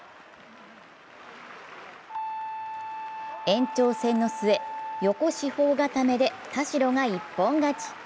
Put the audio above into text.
延長戦の末、横四方固めで田代が一本勝ち。